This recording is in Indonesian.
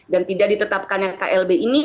dan tidak ditetapkan yang klb ini